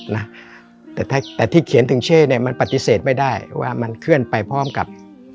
นะแต่ถ้าแต่ที่เขียนถึงชื่อเนี่ยมันปฏิเสธไม่ได้ว่ามันเคลื่อนไปพร้อมกับ